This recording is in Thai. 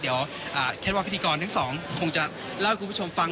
เดี๋ยวคิดว่าพิธีกรทั้งสองคงจะเล่าให้คุณผู้ชมฟัง